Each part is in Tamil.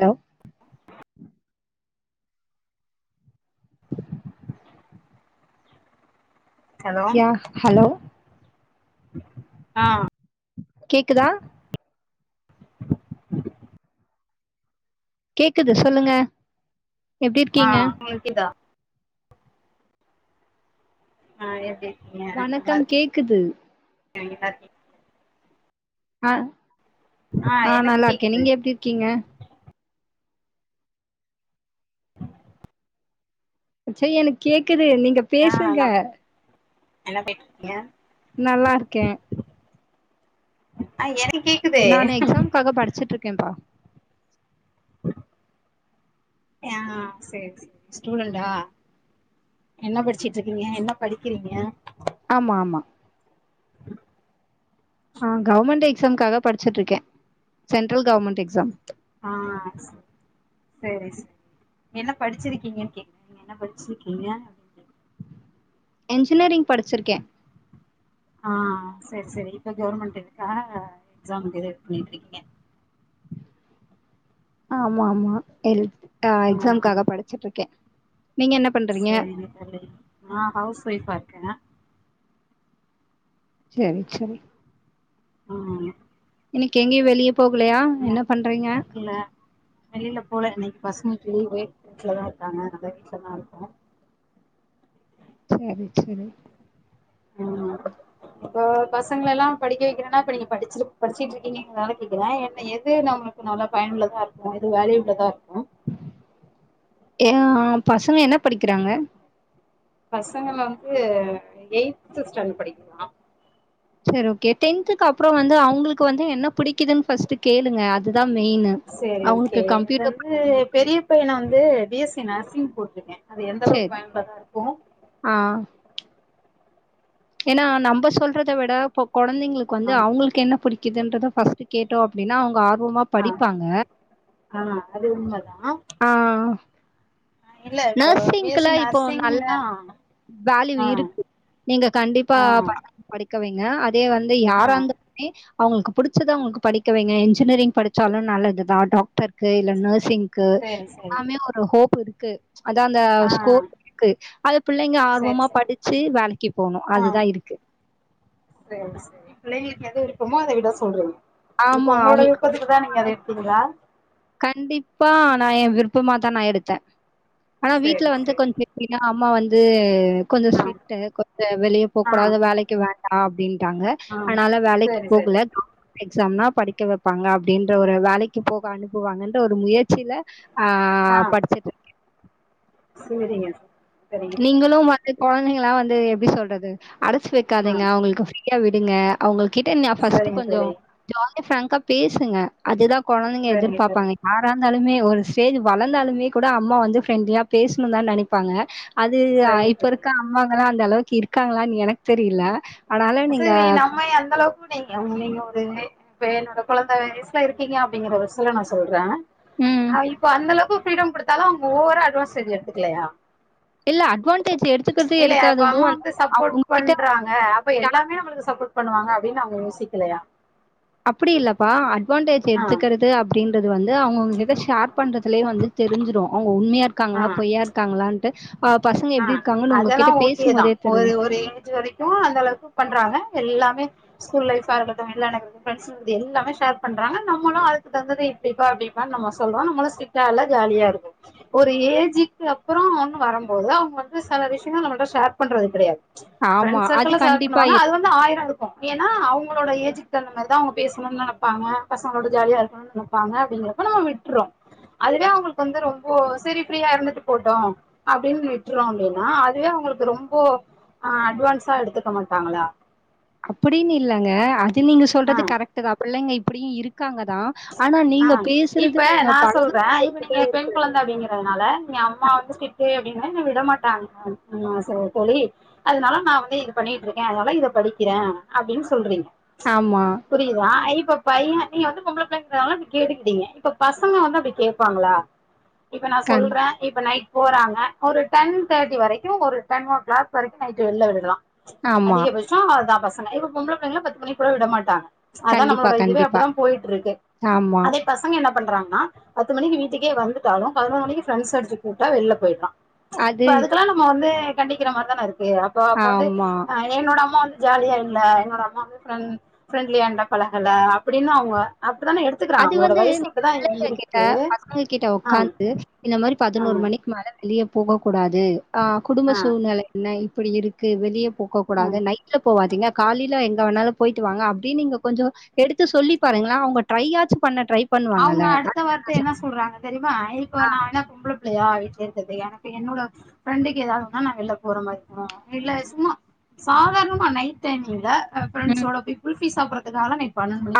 ஹலோ ஹலோ யா ஹலோ ஆஹ் கேக்குதா கேக்குது சொல்லுங்க எப்டி இருக்கீங்க ஆஹ் கேக்குதா ஆஹ் எப்படி வணக்கம் கேக்குது நல்லா இருக்கீங்களா ஆஹ் ஆ ஆஹ் எனக்கு நல்லா இருக்கேன் கேக்குது நீங்க எப்படி இருக்கீங்க சரி எனக்கு கேட் இருக்குது நீங்க ஆ பேசுங்க நம் என்ன பேசிட்டிருக்கீங்க நல்லா இருக்கேன் ஆஹ் எனக்கு கேக்குது நான் எக்ஸாம்காக படிச்சிட்டு இருக்கேன்ப்பா ஆஹ் செரி செரி ஸ்டுடண்ட்டா என்ன படிச்சுட்டு இருக்கீங்க என்ன படிக்கிறீங்க ஆமா ஆமா ஆஹ் கவுவர்மெண்ட் எக்ஸாம்காக படிச்சிட்டு இருக்கேன் சென்ட்ரல் கவர்மெண்ட் எக்ஸாம் ஆஹ் செரி செரி செரி நீ என்ன படிச்சிருக்கீங்கன்னு கேட்டேன் நீங்க என்ன படிச்சிருக்கீங்க என்ஜினியரிங் படிச்சிருக்கேன் ஆஹ் செரி செரி இப்ப கவர்மெண்ட் இருக்க எக்ஸாமுக்கு இது பண்ணிட்டு இருக்கீங்க ஆமா ஆமா எழுது ஆஹ் எக்ஸாம்க்காக படிச்சிட்டு இருக்கேன் செரி ஆஹ் நான் ஹவுஸ் வைஃப் ஆஹா செரி செரி ஆஹம் இன்னைக்கு எங்கயோ வெளிய போகலையா என்ன பண்றீங்க பசங்கட்லேய வீட்ல தான் இருக்காங்க நம்ம வீட்டில் தான் இருக்கனும் செரி செரி உஹம் இப்போ பசங்கலலாம் படிக்க வைக்கிறேனா இப்ப நீங்க படிச்ச படிச்சுட்டு இருக்கீங்கிறதால கேக்குறேன் ஏனா எது நம்மங்களுக்கு நல்ல பயன்னுளதா இருக்கும் எது வேலை உள்ளதா இருக்கும் ஏங்க பசங்க என்ன படிக்கிறாங்க பசங்க வந்து எய்த் ஸ்டாண்ட் படிக்கிறா செரி ஓகே டென்துகு அப்புறம் வந்து அவங்களுக்கு வந்து என்ன புடிக்குதுன்னு பர்ஸ்ட் கேளுங்க அதுதான் செரி செரி ஓகே அது வந்து பெரிய பையன வந்து பி எஸ் ச நர்சிங் போட்டிருக்கேன் அது எந்த அளவுக்கு சரி பயன்னுளதா இருக்கும் ஏனா நம்ப சொல்றத விட குழந்தைகளுகு வந்து ஆமா அவங்களுக்கு என்ன பிடிக்கும் இதன்றதா பர்ஸ்ட் கேட்டோம் அப்படினா அவங்க ஆர் வமா ஆ படிப்பாங்க ஆ அது உண்மதா ஆஹ் இல்ல இப்ப பி எஸ் நர்சிங்ல சி இப்போ நல்ல நர்சிங்னா வேல்யூ ஆ இருக்கு நீங்க கண்டிப்பா ஆ படி கவைங்க அது அதே வந்து ஆ யாராஇருந்தாலுமே அவங்களுக்கு புடிச்சத அவங்களுக்கு படிக்கவைங்க என்ஜினிரிங் படிச்சாலும் நல்லதுதான் டாக்டர் க்கு இல்ல நர்சிங்கு சேரி சேரி எல்லாமே ஒரு ஹோப் இருக்கு க்கு அதான் அந்த ஆ ஸ்கோர் இருக்கு அது பிள்ளைங்க ஆர்வமா படிச்சு வேலைக்கு போணு ஆஹ் அதுதா இருக்கு செரிசெரி பிள்ளைங்களுக்கு எது விருப்பமோ அத விட சொல்லு இப்ப ஆமா உங்களோட அவங்களுக்கு விருப்பத்துக்கு தான் நீங்க அத எடுத்திங்களா கண்டிப்பா நா யேன் விருப்பமாதா நா எடுத்தே ஆனா வீட்ல சேரி வந்து சேரி கொஞ்ச எப்டினா அம்மா வந் து கொஞ்ச ஆ ஸ்ட்ரிட்டு கொஞ்ச வெளிய போக் ஆ கூடாது வேலக்கி வேண்டா அப்டின் ட்டாங்க ஆ அதனால வேலைக்கி சேரி சேரி போகல [inaudible] எக்ஸாம்னா படிக்க வெப்பாங்க அப்டின்ற ஒரு வேலக்கி போக அனுப் புவாங்கன்ற ஒரு முயற்சில ஆ ஆ படிச்சிட்ருக்கே சேரிங்க சரிங்க தோழி நீங்களு மதிய கொழந்தைங்கல்லா வந்து எப்டி சொல்றது அடைச்சு ஆ வைக்காதீங்க அவங்களுக்கு ஃப்ரியா விடுங்க அவங்களுக் கிட்ட நா ஃபஸ்ட்டு சரிங்க கொஞ்சோ தோழி ஜா லியா ஃபிராங்கா பேசுங்க அதுதா கொழந்தைங்க சரிங்க தோழி எதிர்பாப்பாங்க இ யாரா இருந்தாலுமே ஒரு ஸ்டேஜ் வளந்தாலுமே கூட அம்மா வந்து ஃப்ரெண்ட்லியா பேசணுன்தா நெனைப்பாங்க அது ஆ சரிங்க இப்ப இருக்க தோழி அம்மாங்கல்லா அந் அந்த அளவுக்கு இருக்காங்களான்னு எனக் தெரியல அதனால அ நீங்க சேரி நம்ம எந்த அளவுக் [unintelligible] நீங்க நீங்க ஒரு இப்ப என்னோட கொழந்த வயசுல இருக்கீங்க அப்டிங்கிறபட்சத்துல நா சொல்ற ம் ஆ இப்ப அந்த அளவுக்கு ஃப்ரீடம் குடுத்தாலு அவங்க ஓவரா அட்வான்ஸ்டேஜு எடுத்துக்கலையா இல்ல அட்வான்டேஜ் எடுத்துக்றது இல்லையா இப்ப எடுக்காதது வந்து அவங்க உங்ககிட்ட அவுங் ப்ப எல்லாமே நம்மளுக்கு ச ப்போர்ட் பண்ணுங்க அப்டின்னு அவங்க யோசிக்கலையா அப்பிடி இல்லப்பா அட்வான்டேஜ் ஆ எடுத்துக்கிறது அப்டின் றது வந்து அவங்க உங்க கிட்ட ஷேர் பண்றதுலயே வந்து தெரிஞ்சிரு ஓ உண்மையா ஆ இருக்காங்களா பொய்யா இருக்காங்களான்ட்டு அ பசங்க ஆ எப்படி இருக்காங்கன்னு அதெல்லா உங்ககிட்ட ஓகேதா பேசும்போதே ஒரு தெரிஞ்சிரும். ஒரு ஏஞ் வரைக்கு அந்த அளவுக்கு பண்றாங்க எல்லாமே ஸ்கூல் லைஃபா இருக்கட்டு எல்லா நம் ஃபிரெண்ங்கிட்ட எல்லாமே ஷேர் பண்றாங்க நம்மளு அதுக்கு தவுந்தது இப்பிடிப்பா அப்பிடிபானு நம்ம சொல்றோ நம்மளு ஸ்ட்ரிக்டா இல்ல ஜாலியா இருக்கு ஒரு ஏஜுக்கு அப்புறோ ஒன்னு வரனு போதா அவுங்களுக்கு சில விஷயங்கள் நம்ள்ட்ட ஷேர் பண்றது கிடையாது ஆமா. ஃபிரெண்ட் அது சர்க்கிள் சேர் கண்டிப்பா பண்ணுவாங்க இரு அது வந்து ஆயிரோ இருக்கு ஏன்னா அவுங் அவங்களோட ஏஜிக்கு தகுந்த மாரிதா அவுங்க பேசணுன் நெனைப்பாங்க பசங்களோட ஜாலியா இருக்கணுன் நெனைப்பாங்க அப்பிடிங்கிறப்ப நம்ம விட்டுறோ அதுவே அவங்களுக்கு வந்து ரொம்போ சரி ஃப்ரீயா இருந்துட்டு போட்டோ அப்பிடின் விட்டுறோ அப்பிடின்னா அதுவே அவுங்களுக்கு ரொம்போ அ அட்வான்ஸா எடுத்துக்க மாட்டாங்களா அப்பிடின் இல்லங்க த்து நீங்க ஆ சொல்றது கரெக்ட்தா பிள்ளைங்கப் இப்பிடியு இருக்காங்கதா ஆ இப்ப நா சொல்றே இப்ப நீங்க தான் இருக்கு. பெண் குழந்த அப்பிடிங்கறதுனால நீங்க அம்மா வந்து ஸ்ட்ரிக்ட்டு ப்டிங்கன என்ன விடமாட்டாங்க அன ச தோழி அதனால நா வந்து இது பண்ணிட்டு இருக்கே அதனால இத படிக்கிறே அப்பிடின்னு சொல்றீங்க ஆமா. புரியுதா இப் இப்ப பையே, நீங்க வந்து பொம்பள புள்ள ந்தனால இப்ப கேட்டுக்கிட்டீங்க இப்ப பசங்க வந்து அப்பிடி கேப்பாங்களா இப்ப நா கண் சொல்றே இப்ப நை போறாங்க ஒரு டென் தேர்டி வரைக்கு ஒரு டென் ஓ கிளாக் வரைக்கு நைட் இல்ல வெள்ல விடுக்கலா ஆமா. அதிகபட்சோ அதா பஸ் ஆனா இப்ப பொம்ளபுள்ளக பத்து மணி கூட விட மாட்டாங்க அதா கண்டிப்பா, நம்மளோட இதுவே கண்டிப்பா. அப்பிடிதா போயிட்டுர்க்கு ஆமா ன்ன பண்றாங்கன்னா பத்து மணி வீட்டுக்கே வந்துட்டாலு பதனோர் மணிக்கி ஃப்ரென்ஸ் அடிச்சி கூப்டா வெளில போய்ரா அது இப்ப அதுக்கெல்லா நம்ம வந்து கண்டிக்கிறமார்தான இருக் க்கு அப்ப அப்ப வந்து ஆமா. அ என்னோட அம்மா வந்து ஜாலியா இல்ல என்னோட அம்மா வந் ஃப்ரெண் ஃப்ரெண்ட்லியாண்ட பழகல அப்பிடின்னு அவங்க அப் அது வந்து நீங்க பிள்ளைங்ககிட்ட இருக்கு பசங்ககிட்ட ஆ உக்காந்து இந்த மாரி ஆ பதினோரு மணிக் மேல வெளிய போக கூடாது ஆ குடும்ப ஆ சூழ்நிலை என்ன இ இப்பிடி இருக்கு வெளிய போகக் ஆ கூடாது நைட்ல போவாதீங்க காலில எங் எங்க வேனாலு போயிட்டு வாங்க அப்டின் நீங்க கொஞ்சோ எடுத்து சொல்லி பாருங்களா அவுங்க ட்ரையாச்சி பண்ண அவுங்க அடுத்த வார்த்த என்ன சொல்றாங்க தெரி மா அய்க்கோ நா இன்னா பொம்பல விளயாடிட்டே இருக்கறது எனக்கு என்னோட ஃப்ரெண்டுக்கு எதாவது ஒன்னுனா நா வெள்ல போற மாரி இருக்கனும் இல்ல சும்மா சாதாரணமா நைட் டைமிங்ல ஆ ஃபிரண்ஸ்ஸோட போய் குல்ஃபீ சாப்ற இதால மீன்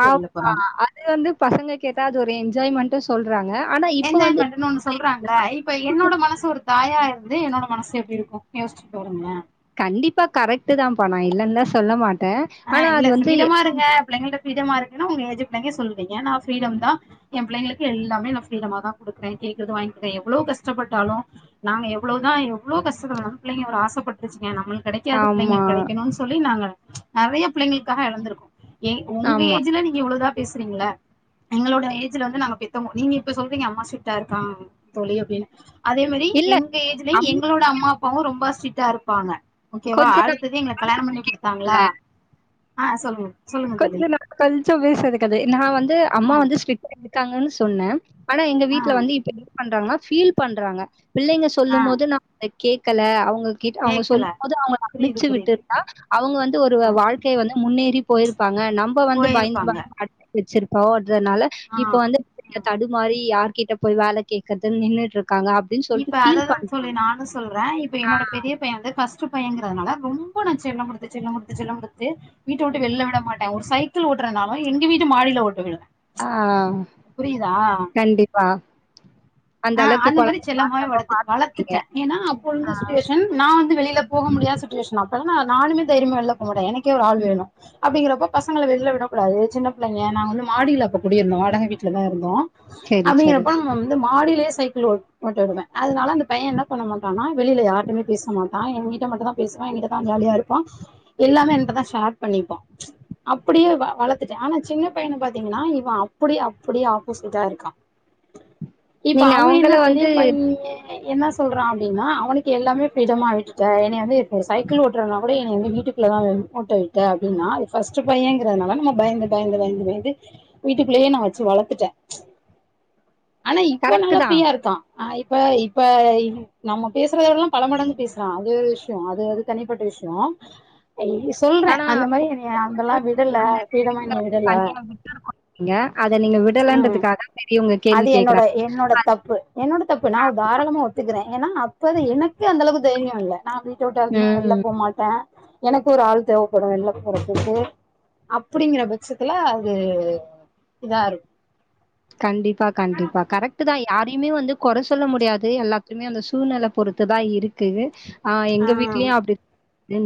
ஆப்ப அது வந்து பசங்க கே ட்டா அது ஒரு என்ஜாய்மெண்ட்டு சொல்றாங்க ஆனா இப்ப வந்து என்ஜாய்மெட்டுன்னு ஒண்ணு சொல்றாங்கள இப்ப என்னோட மனசு ஒருத் தாயா இருந்து என்னோட மனசு எப்டி இருக்கு யோசிச்சி பாருங்ளே கண்டிப்பா கரெக்ட்டு தாம்பா நா இல்லன்லா சொல்ல மாட் ஆ இல்ல பிரப்ரீடமா இருங்க பிள்ளங்ல்ட்ட பிரீடமா இரு தெனம் உங்க ஏஜ பேங்கே சொல்றீங்க நா ஃபிரீடம் தா என் பிள்ளைங்களுக்கு எல்லாமே நா ஃபிரீடமா தா குடுத்தே கேக்கறத வாங்கிடே எவ்ளோ கஷ்டப்பட்டாலு நாங்க எவ்ளோதா எவ்ளோ கஷ்ட பட்டாலு பிள்ளைங்க ஒரு ஆசப்பட்டுருச்சிங்க நம்மளுக் கெடைக்காத ஆமா, பிள்ளைங்களுக்கு கெடைக்கணுன் சொல்லி நாங்க நறையா பிள்ளைங்கள்காக எழந்துருக்கோ ஏ உங்க ஆமா. ஏஜ்ல நீங்க இவ்ளோதா பேசுறீங்களா எங்களோட ஏஜ்ல வந்து நாங்க பெத்தவங்க நீங்க இப்ப சொல்றிங்க அம்மா ஸ்டிட்டா இருக்கா தோழி அப்டின்னு அதே மேரி இல்ல எங்க ஏஜ்லயும் நம்ம எங்களோட அம்மா அப்பாவும் ரொம்ப சிட்டா இருப்பாங்க ஓகேவா கொஞ்ச அடுத்தது எங்கள கல்யாணம் பண்ணி நாள் குடுத்தாங்களா ஆ சொல்லுங்க சொல்லுங்க தோழி கொஞ்ச நே கொஞ்சம் பேசதுக்கு அது நா வந்து அம்மா ஆ வந்து ஸ்டிட்டா இருக்காங்கன்னு சொன்னன் ஆனா எங்க ஆ வீட்ல வந்து இப்போ இது பண்றாங்கனா ஃபீல் பண்றாங்க பிள்ளைங்க ஆ சொல்லுமோது நா கேக்கல அவங்க கிட்ட அவங்க கேக்கல சொல்லுமோது அவங்க புரியுது அனுப்பிச்சி விட்டு புரியுது இருந்தா அவங்க வந்து ஒரு ஆ வாழ்க்கைய வந்து அவுங்க முன்னேறி போயி பங்க நம்ம வந்து பயந்து போயிருப்பாங்க பயந்துடு வச்சிருப்பா அதனால ஆ இப்ப வந்து ஆ தடுமாறி யாரு கிட்ட போய் வேலை கேட்கிறதன்னு நின்னுட்டு இருக்கு இப்ப அததான் தோழி தோழி நானும் சொல்றேன் இப்ப என்னோட பெரிய பையன் வந்து பர்ஸ்டு ஃபர்ஸ்ட் பையன்கிறதுனால ரொம்ப நான் செல்ல கொடுத்து செல்ல கொடுத்து செல்ல கொடுத்து வீட்டை விட்டு வெளியிள்ள விட மாட்டேன் ஒரு சைக்கிள் ஓட்டுறதுனாலும் எங்க வீட்டு மாடியில ஒட்ட விடுவேன் ஆஹ் கண்டிப்பா ஆஹ் அளவுக்கு அந்த மாதிரி குழந்தைய செல்லமாவே பாதுகாப்பா பார்த்துக்கிட்டீங்க. வளர்த்துட்டேன்னால அப்போ இருந்த சிச்சுவேஷன் நான் வந்து வெளில போக முடியாத சுட்டிவேஷன் நானுமே தைரியமா வெளில போக முடியும் எனக்கு எனக்கே ஒரு ஆள் ம். வேணும் அப்படிங்கிறப்ப பசங்களை வெளிலில்ல விடக் கூடது சின்ன பிள்ளைங்க நாங்களாம் வந்து மாடில அப்போ கூடியிருந்தோம் வாடக வீட்டில் தான் இருந்தோம் சரி, சரி. அப்படிங்கறப்போ நம்ம வந்து மாடியிலே சைக்கிள் ஓட்டனும் ஒட்ட விடுவேன் அதனால அந்த பைய என்ன பண்ண மாட்டான்னா வெளியில் யாருமே பேச மாட்டான் நான் என்கிட்ட மட்டும்தான் பேசுவான் எங்கிட்டதான் ஜாலியா இருப்பான் எல்லாமே என்கிட்டதான் ஷேர் பண்ணிப்பான் அப்படியே வளர்த்துட்டேன் ஆனா சின்ன பையனை பாத்தீங்கன்னா இவன் அப்படி அப்படியே ஆப்போசிட்டா இருக்கான் இப்ப நீங்க அவன் அவங்கள என்ன வந்து பெரிய பைய என்ன சொல்றான் அப்படின்னா அவனுக்கு எல்லாமே பிரீடமா ஆ விட்டுட்டன்ன வந்து இப்ப சைக்கிள் ஓட்டுறதுனா கூட இன வந்து வீட்டுக்குள்ளதான் ஓட்ட விட்டே அப்படின்னா அது பஸ்ட் பையங்கறதுனால நம்ம பயந்து பயந்து பயந்து பயந்து வீட்டுக்குள்ளேயே நான் வச்சு வளர்த்துட்டேன் ஆனா இப்ப கரெக்ட்டு நல்லா தான். ஃப்ரீயா இருக்கான் ஆஹ் இப்ப இப்ப நம்ம பேசுறதோட எல்லாம் பல மடங்கு பேசுலாம் அது விஷயம் அது அது தனிப்பட்ட விஷயம் ஐ சொல்றேன் ஆனா அந்த மாரி நீ அந்த அந்தெல்லாம் நேரத்துல விடல பீரிடமா நீ வந்து விடல தனியா விட்டுருக்கோம் நீங்க. அத நீங்க உம் விடலன்றதுக்காக பெரியவங்க கேள்வி என்னோட கேட்கறாங்க. என்னோட தப்பு என்னோட தப்பு நான் தாராளமா ஒத்துக்கிறேன் ஏன்னா அப்ப எனக்கு அந்த அளவு தைரியம் இல்ல நான் வீட்ட விட்டு அதிகம் வெளில ம். போ மாட்டேன் எனக்கு ஒரு ஆள் தேவைப்படும் வெளில போறதுக்கு அப்டிங்கற பட்சத்துல அது இதா இருக்கும் கண்டிப்பா கண்டிப்பா கரெக்ட் தான் யாரையுமே வந்து குறை சொல்ல முடியாது எல்லாத்துமே அந்த சூழ்நிலை பொறுத்து தான் இருக்கு இருக்கு ஆஹ் எங்க வீட்லயும் அப்டி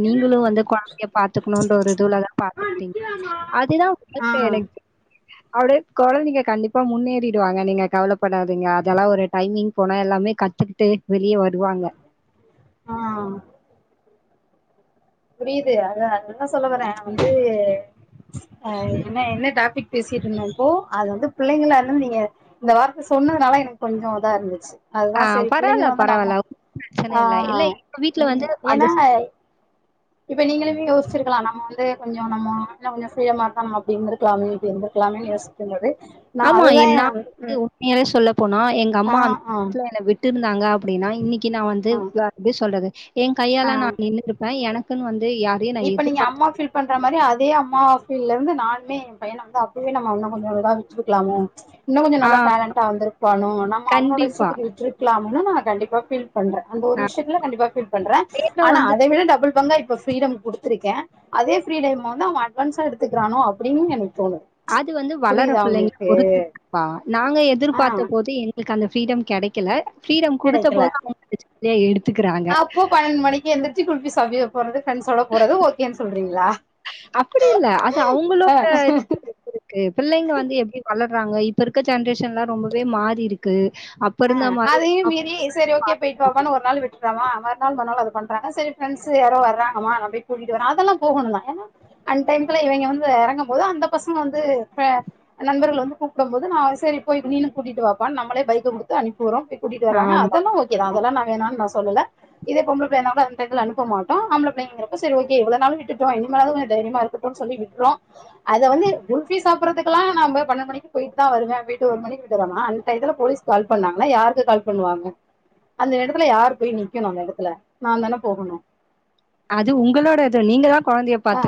நீங்களும் வந்து குழந்தைய பாத்துக்கணும்ன்ற ஒரு இதுலதான் பாத்துக்கிட்டீங்க அதுதான் உங்களுக்கு ஆஹ் எனக்கு அப்டியே குழந்தைங்க கண்டிப்ப இப்ப முன்னேறிடுவாங்க நீங்க கவலைப்படாதீங்க அதெல்லாம் ஒரு டைமிங் போனா எல்லாமே கத்துக்கிட்டு வெளியே வருவாங்க ஆ புரியுது அது அதுதா சொல்ல வரே நா வந்து ஆ என்ன என்ன டாபிக் பேசிட்ருந்தோ இப்போ அது வந்து பிள்ளைங்களா இருந்து நீங்க இந்த வார்த்த சொன்னதுனால எனக்கு கொஞ்சோ இதா இருந்துச்சு ஆ அதுதா சரி பரவால்ல, பிள்ளைங்கள வந்து நம்ம பரவால்ல. ஒண்ணும் பிரச்சனை ஆ இல்ல. இல்ல எங்க வீட்ல வந்து ம் அந்த ஏன்னா இப்ப நீங்களுமே யோசிச்சிருக்கலா நம்ம வந்து கொஞ்சோ நம்ம எல்லா கொஞ்ச செய்ய மாட்டோ நம்ம அப்டி இருந்திருக்கலாமே இப்டி இருந்திருக்கலாமேன்னு யோசிக்கும் போது ஆமா என்ன [inaudible] உண்மையாவே சொல்லப் போனா எங்க ஆ அம்மா அந் ஆ ஆக்சுவலா என்ன விட் ட்டிருந்தாங்க அப்பிடின்னா இன்னக் கி நா வந்து ஆ வேற எப்டி சொல்றது என் ஆ கையால நா நின்னுருப்பே எனக் குன்னு வந் இப்ப நீங்க அம்மா ஃபீல் பண்ற மாரி அதே அம் மா ஃபீல்ல இருந்து நானுமே யேன் பையன வந்து அப்பிடியே நம்ம இன்னு கொஞ்சோ இதா வச்சிருக்கலாமோ இன்னு கொஞ்ச ஆ நல்லா டேலண்ட்டா வந்திருப்பானோ நம்ம அவனோட கண்டிப்பா. இஷ்டத்துக்கு விட்ருக்கலா ன்னு நா கண்டிப்பா ஃபீல் பண்றே அந்த ஒரு அ விஷயத்துல கண்டிப்பா ஃபீல் பண்றே வேகம் ஆனா வந்து அத விட டபுள் பங்கா இப் இப்ப ஃப்ரீடம் குடுத்துருக்கே அதே ஃப்ரீடம் வந்து அவங்க அ அது வந்து வளர புரியுதா பிள்ளைங்கள உங்களுக்கு பொருத்து இருக்குப்பா நாங்க ஆ எதிர்பார்த்த போது எங்களுக்கு அந்த ஃப்ரீடம் கெடைக்கல ஃப்ரீடம் குடுத்த கிடைக்கல போது அவங்க [unintelligible] எடுத்துக்கறாங்க அப்போ பன்னெண்டு மணிக்கு [unintelligible] போறது ஃபிரண்ட்ஸோட போறது ஓகேன்னு சொல்றீங்களா அப்டி இல்ல. அது ஆ அவங்களோட ர்றாங்க இப்ப இருக்க ஜென்ரேஷன்லா ரொம்பவே மாறிருக்கு ஆ அதையு மீறி செரி ஓகே போயிட்டு வாப்பான்னு ஒரு நாள் விட்றமா மறு நாள் மறு நாளு அது பண்றாங்க சரி ஃபிரண்ட்ஸு யாரோ வர்றாங்கமா நா போய் கூட்டிட்டு வரே அதெல்லா போகோணுந்தா ஏன்னா அன் டையத்துல இவங்க வந்து எறங்கும் போது அந்த பசங்க வந்து ஆ நண்பர்கள் வந்து கூப்டும்போது நா செரி போய் நீனு கூட்டிட்டு வாப்பான்னு நம்மளே பைக்க குடுத் து அனுப் பி விட்றோ போய் கூட்டிட்டு வராங்க ஆமா. அதெல்லா ஓகேதா அதெல்லா நா வேணானு நா சொல்லல இதே பொம்பள பிள்ளையா இருந்தாக்க அன் டயத்துல அனுப்ப மாட்டோ ஆம்பள பிள்ளைங்கறப்போ சரி ஓகே இவளோ நாளு விட்டுட்டோ இனிமேலாது கொஞ்ச தைரியமா இருக்கட்டுன்னு சொல்லி விட்றோ அத வந்து குல்ஃபீ சாப்பட்றதுக்கெல்லா நாம்ப பன்னென்டு மணிக்கி போய்ட்டுதா வருவே அப்டிண்ட்டு ஒரு மணிகிட்ட வரா அன்டயத்துல போலீஸ் கால் பண்ணாங்கன்னா யாருக்கு கால் பண்ணுவாங்க அந்த எடத்துல யார் போய் நிக்கணு அங்க அந்த எடத்துல நாந்தான போகணு அது உங்களோடது நீங்கதா ஆ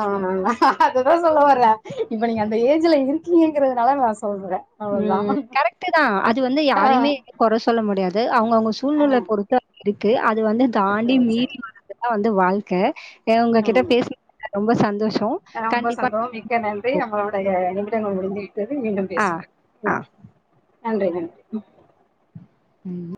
ஆமா ஆமா அததா சொல்ல வரே இப்ப நீங்க அந்த ஏஜ்ல இருக்கீங்கிறதுனால நா சொ ம் கரெக்ட்தா அது வந்து ஆ, யாருமே கொற சொல்ல முடியாது அவுங்கவுங்க ஆ, சூழ்நிலை பொறுத்து இருக்கு அது வந்து தாண்டி சரி சரி மீறி வரதுதா வந் து வாழ்க்க ஏ உங்ககிட்ட ம். பேசனத்துக்க ரொம்ப சந்தோஷ் ரொம்ப சந்தோ மிக்க நன்றி நம்மளுடைய நிமி டங்கள் முடிஞ்சி ட்டது மீண்டும் ஆ, பேசுவோ ஆ. ம் நன்றி நன்றி ம் ம்